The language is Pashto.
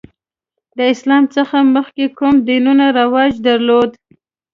د اسلام څخه مخکې کوم دینونه رواج درلود؟